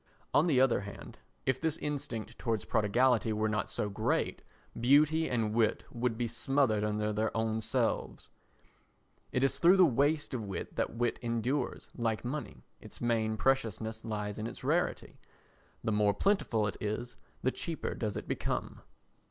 On the other hand, if this instinct towards prodigality were not so great, beauty and wit would be smothered under their own selves. It is through the waste of wit that wit endures, like money, its main preciousness lies in its rarity—the more plentiful it is the cheaper does it become.